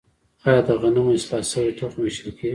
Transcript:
آیا د غنمو اصلاح شوی تخم ویشل کیږي؟